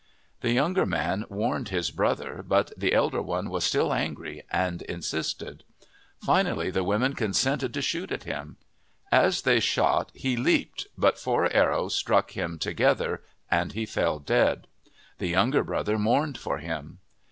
The younger man warned his brother; but the elder one was still angry and insisted. Finally the women consented to shoot at him. As they shot he leaped, but four arrows struck him together and he fell dead. The younger brother mourned for him.